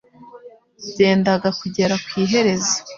byendaga kugera ku iherezo;